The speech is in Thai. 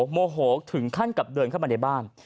โมโหถึงขั้นกับเดินเข้ามาในบ้าน